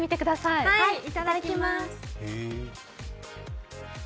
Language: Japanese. いただきます。